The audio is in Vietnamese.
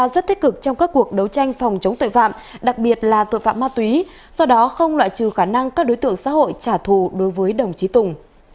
xin chào các bạn